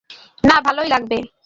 না, ভালোই লাগবে।